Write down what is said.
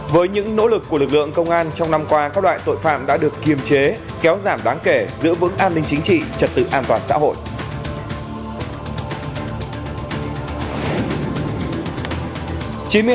với những nỗ lực của lực lượng công an trong năm qua các loại tội phạm đã được kiềm chế kéo giảm đáng kể giữ vững an ninh chính trị trật tự an toàn xã hội